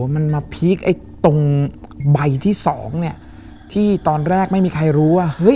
มันมาพีคไอ้ตรงใบที่สองเนี่ยที่ตอนแรกไม่มีใครรู้ว่าเฮ้ย